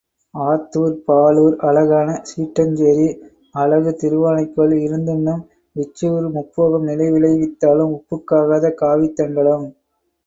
ஆத்தூர் பாலூர் அழகான சீட்டஞ்சேரி, அழகு திருவானைக் கோவில் இருந்துண்ணும் விச்சூரு முப்போகம் நிலம் விளைத்தாலும் உப்புக்காகாத காவித்தண்டலம்.